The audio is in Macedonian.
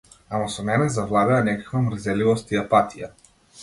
Ама со мене завладеа некаква мрзеливост и апатија.